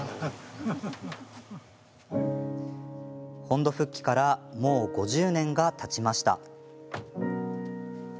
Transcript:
本土復帰からもう５０年がたちました。